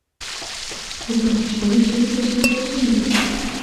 خو که خوشحالي شریکه شي دوه چنده کېږي.